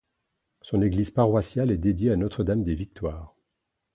Son église paroissiale est dédiée à Notre-Dame-des-Victoires.